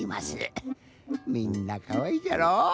みんなかわいいじゃろ。